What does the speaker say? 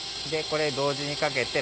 これ同時にかけて。